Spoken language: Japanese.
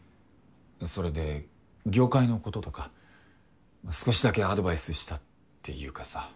それで業界のこととか少しだけアドバイスしたっていうかさ。